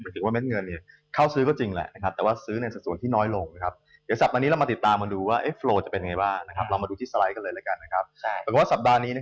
แต่ก็ชะลอตัวหมายความว่ามีแรงซื้อลดลงที่ประมาณ๑๓๕ล้านเหรียญ